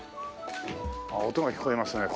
音が聞こえますね